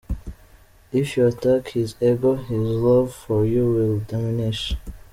If you attack his Ego, his Love for you will diminish.